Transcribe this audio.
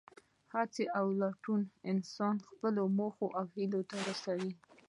هڅه او لټون انسان خپلو موخو او هیلو ته رسوي.